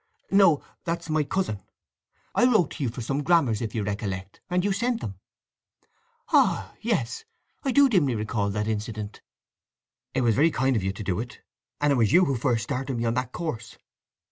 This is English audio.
"No—that's my cousin… I wrote to you for some grammars, if you recollect, and you sent them?" "Ah—yes!—I do dimly recall that incident." "It was very kind of you to do it. And it was you who first started me on that course.